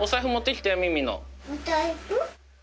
おさいふ？